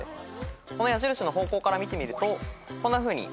この矢印の方向から見てみるとこんなふうにとらは。